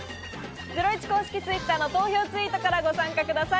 『ゼロイチ』公式Ｔｗｉｔｔｅｒの投票ツイートからご参加ください。